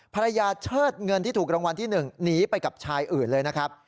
เชิดเงินที่ถูกรางวัลที่๑หนีไปกับชายอื่นเลยนะครับ